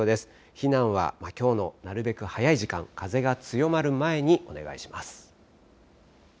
避難はきょうのなるべく早い時間、風が強まる前にお願いします。